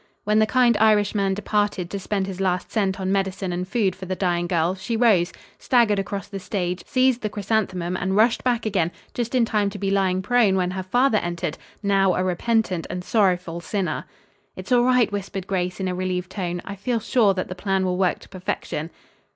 When the kind Irishman departed to spend his last cent on medicine and food for the dying girl, she rose, staggered across the stage, seized the chrysanthemum and rushed back again, just in time to be lying prone when her father entered, now a repentant and sorrowful sinner. "It's all right," whispered Grace in a relieved tone. "I feel sure that the plan will work to perfection."